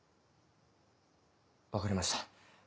分かりました。